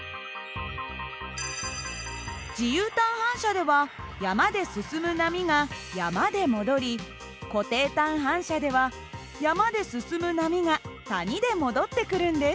自由端反射では山で進む波が山で戻り固定端反射では山で進む波が谷で戻ってくるんです。